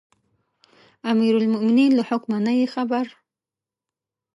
امیرالمؤمنین له حکمه نه یې خبره.